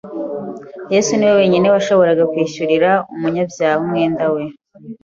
Yesu ni we wenyine washoboraga kwishyurira umunyabyaha umwenda we